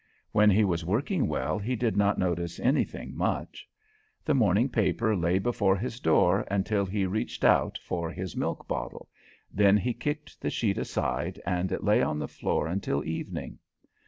When he was working well he did not notice anything much. The morning paper lay before his door until he reached out for his milk bottle, then he kicked the sheet inside and it lay on the floor until evening.